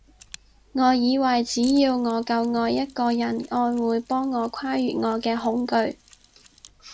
我以為只要我夠愛一個人，愛會幫我跨越我嘅恐懼